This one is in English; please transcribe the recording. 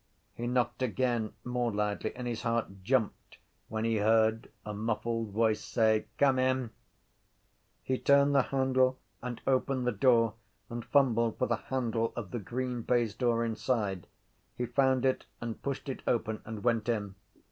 He knocked again more loudly and his heart jumped when he heard a muffled voice say: —Come in! He turned the handle and opened the door and fumbled for the handle of the green baize door inside. He found it and pushed it open and went in.